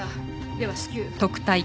では至急。